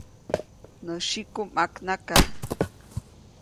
Nä syiku ʼmaknaka.